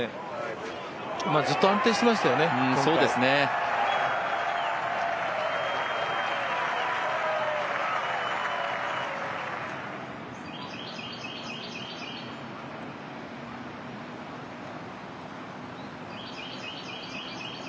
ずっと安定してましたよね、今回。